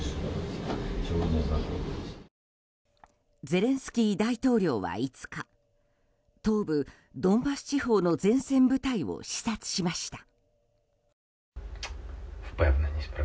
ゼレンスキー大統領は５日東部ドンバス地方の前線部隊を視察しました。